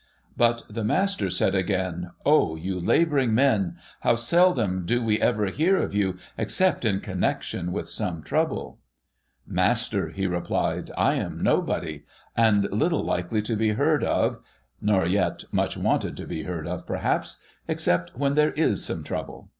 But the master said again, ' O you labouring men ! How seldom do we ever hear of you, except in connection with some trouble !'' Master,' he replied, ' I am Nobody, and little likely to be heard of (nor yet much wanted to be heard of, perhaps), except when there is some trouble.